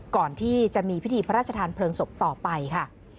ก่อนที่จะมีพิธีพระราชทานเพลิงศพต่อไปค่ะ